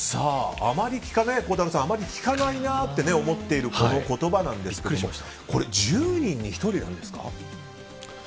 孝太郎さんあまり聞かないなって思っているこの言葉なんですが１０人に１人なんですか？